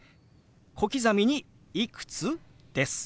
小刻みに「いくつ？」です。